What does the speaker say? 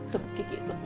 tuh kiki tuh